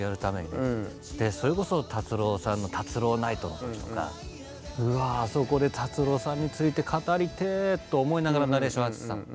でそれこそ達郎さんの「達郎ナイト」の時とか「うわあそこで達郎さんについて語りてえ」と思いながらナレーションやってたの。